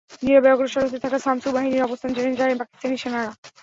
নীরবে অগ্রসর হতে থাকা শামসু বাহিনীর অবস্থান জেনে যায় পাকিস্তানি সেনারা।